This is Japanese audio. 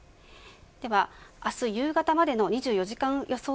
では、明日夕方までの２４時間予想